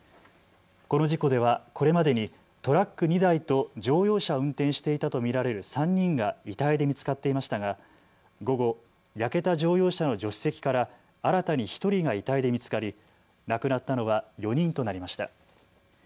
この事故ではこれまでにトラック２台と乗用車を運転していたと見られる３人が遺体で見つかっていましたが午後、焼けた乗用車の助手席から新たに１人が遺体で見つかり亡くなったのは４人となりました。